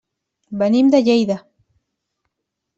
Venim de Lleida.